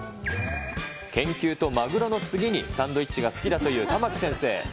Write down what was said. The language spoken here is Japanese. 研究とマグロの次にサンドイッチが好きだという玉城先生。